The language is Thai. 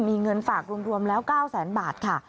มีเงินฝากรวมแล้ว๙แสนบาทค่ะ